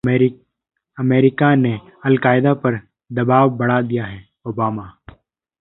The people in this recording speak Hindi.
अमेरिका ने अलकायदा पर दबाव बढ़ा दिया है: ओबामा